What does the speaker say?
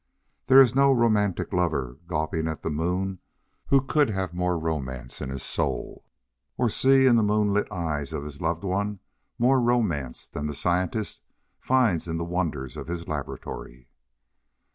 There is no romantic lover gawping at the moon who could have more romance in his soul, or see in the moonlit eyes of his loved one more romance than the scientist finds in the wonders of his laboratory.